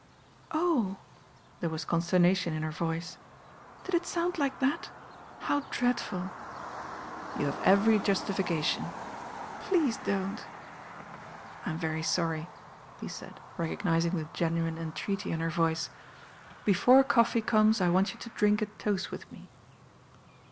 " "Oh I" There was consternation in her voice. "Did it sound like that? How dreadful." "You have every justification." "Please don't." "I'm very sorry," he said, recognising the genu ine entreaty in her voice. "Before coffee comes I want you to drink a toast with me.'